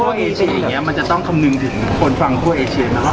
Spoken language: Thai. อย่างนี้มันจะต้องคำนึงถึงคนฟังทั่วเอเชียมั้ย